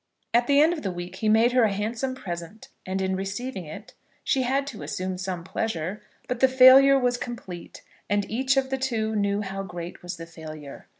At the end of the week he made her a handsome present, and in receiving it she had to assume some pleasure. But the failure was complete, and each of the two knew how great was the failure.